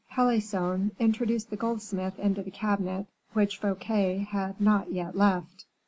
Pelisson introduced the goldsmith into the cabinet, which Fouquet had not yet left.